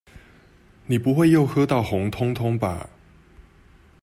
你不會又喝到紅通通吧？